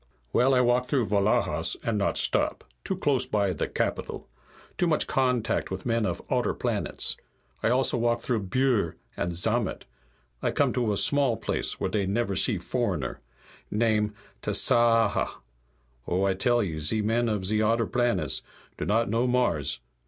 "Well, I walk through Vlahas, and not stop. Too close by the capital. Too much contact with men of odder planets. I walk also through Bhur and Zamat. I come to a small place where dey never see foreigner. Name Tasaaha. Oh, I tell you, ze men of ze odder planets do not know Mars.